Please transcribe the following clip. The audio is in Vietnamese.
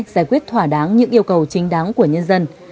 giải quyết thỏa đáng những yêu cầu chính đáng của nhân dân